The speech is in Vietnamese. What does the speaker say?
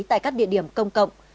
tại các địa điểm công cộng